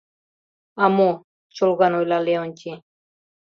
— А мо? — чолган ойла Леонтий.